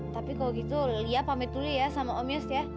tapi kalau gitu lia pamit dulu ya sama om yus ya